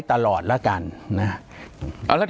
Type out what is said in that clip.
ปากกับภาคภูมิ